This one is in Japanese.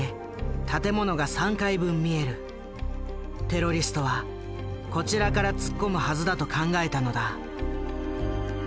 テロリストはこちらから突っ込むはずだと考えたのだ。